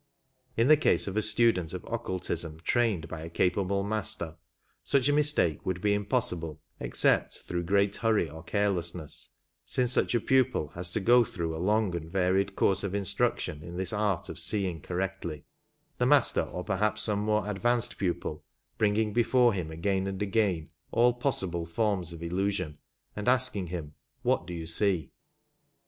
In the case of a student of occultism trained by a capable Master such a mistake would be impossible except through great hurry or carelessness, since such a pupil has to go through a long and varied course of instruction in this art of seeing correctly, the Master, or perhaps some more advanced pupil, bringing before him again and again all possible forms of illusion, and asking him " What do you see